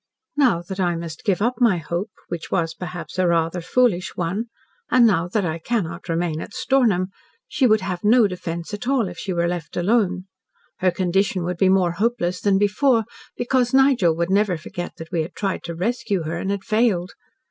Now that I must give up my hope which was perhaps a rather foolish one and now that I cannot remain at Stornham, she would have no defence at all if she were left alone. Her condition would be more hopeless than before, because Nigel would never forget that we had tried to rescue her and had failed.